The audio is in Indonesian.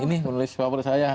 ini penulis favorit saya